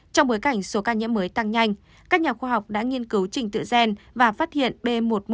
trong bối cảnh số ca nhiễm mới tăng nhanh các nhà khoa học đã nghiên cứu trình tựa gen và phát hiện b một một năm trăm hai mươi chín